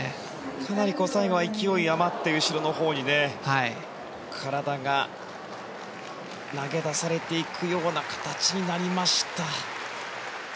かなり最後は勢い余って後ろのほうに体が投げ出されていくような形になりました。